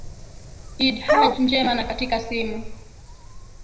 idd hajj njema na katika simu